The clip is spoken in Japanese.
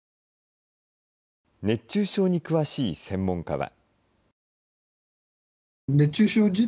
熱中症に詳しい専門家は。